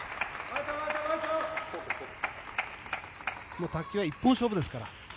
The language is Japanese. もう卓球は１本勝負ですから。